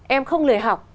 em không lười học